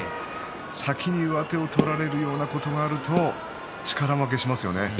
先に上手を取られるようなことがあると力負けしますよね。